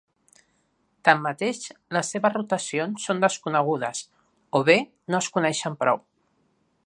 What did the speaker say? Tanmateix, les seves rotacions són desconegudes o bé no es coneixen prou.